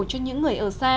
cho những người ở xa